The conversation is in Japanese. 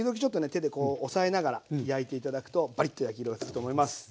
手でこう押さえながら焼いて頂くとバリッと焼き色がつくと思います。